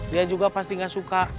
dia juga pasti gak suka